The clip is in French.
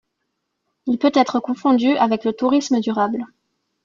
Il peut être confondu avec le tourisme durable.